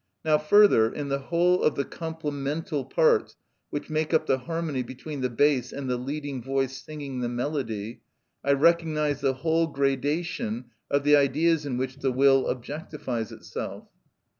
Now, further, in the whole of the complemental parts which make up the harmony between the bass and the leading voice singing the melody, I recognise the whole gradation of the Ideas in which the will objectifies itself.